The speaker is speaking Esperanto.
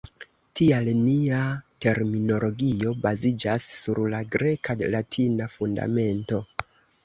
Tial nia terminologio baziĝas sur la greka-latina fundamento.